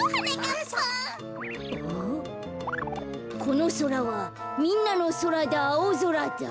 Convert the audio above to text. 「このそらはみんなのそらだあおぞらだ」。